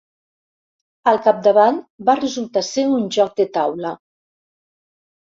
Al capdavall, va resultar ser un joc de taula.